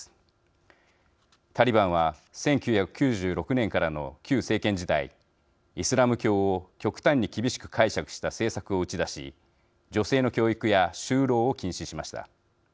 タリバンは１９９６年からの旧政権時代イスラム教を極端に厳しく解釈した政策を打ち出し女性の教育や就労を禁止しました。